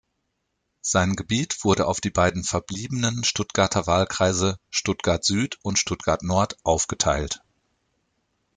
Sein Gebiet wurde auf die beiden verbliebenen Stuttgarter Wahlkreise "Stuttgart-Süd" und "Stuttgart-Nord" aufgeteilt.